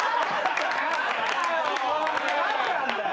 何なんだよ。